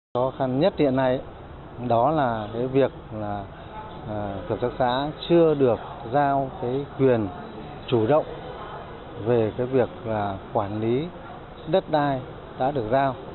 các hợp tác xã chưa được giao quyền chủ động về việc quản lý đất đai đã được giao